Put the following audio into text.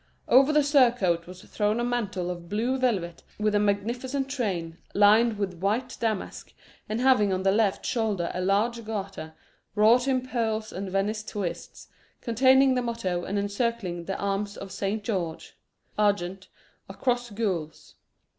Over the surcoat was thrown a mantle of blue velvet with a magnificent train, lined with white damask, and having on the left shoulder a large garter, wrought in pearls and Venice twists, containing the motto, and encircling the arms of Saint George argent, a cross gules.